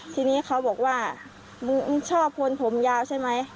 ทีนี้เขาบอกว่ามึงชอบคนผมยาวใช่ไหม